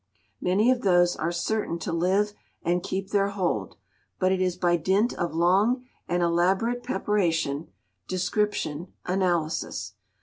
Many of those are certain to live and keep their hold, but it is by dint of long and elaborate preparation, description, analysis.